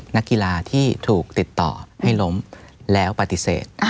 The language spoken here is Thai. นักกีฬาที่ถูกติดต่อให้ล้มแล้วปฏิเสธ